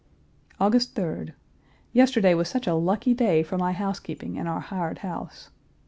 August 3d. Yesterday was such a lucky day for my housekeeping in our hired house.